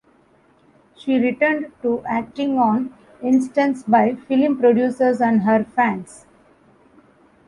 She returned to acting on insistence by film producers and her fans.